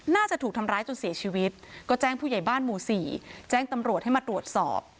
น่าจะถูกทำร้ายจนเสียชีวิตก็แจ้งผู้ใหญ่บ้านหมู่สี่แจ้งตำรวจให้มาตรวจสอบ